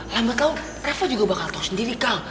lambat laun reva juga bakal tau sendiri kal